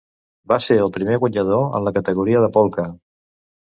Va ser el primer guanyador en la categoria de Polka.